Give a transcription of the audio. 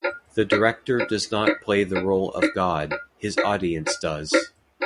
The director does not play the role of god, his audience does.